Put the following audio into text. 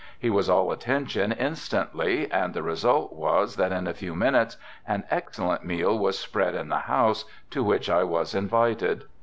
He was all attention instantly and the result was that in a few minutes an excellent meal was spread in the house, to which I was invited.